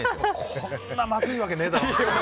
こんなまずいわけないだろって。